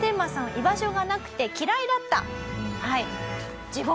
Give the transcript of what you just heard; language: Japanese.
居場所がなくて嫌いだった。